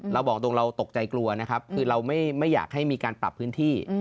เราบอกตรงเราตกใจกลัวนะครับคือเราไม่อยากให้มีการปรับพื้นที่